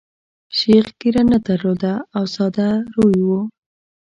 شیخ ږیره نه درلوده او ساده روی وو.